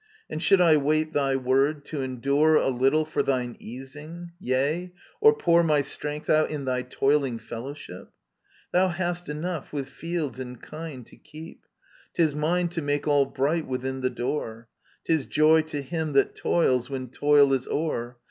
..• And should I wait thy word, to endure A little for thine easing, yea, or pour My strength out in thy toiling fellowship ? Thou hast enough with fields and kine to keep ; 'Tis mine to make all bright within the door. 'Tis joy to him that toils, when toil is o'er.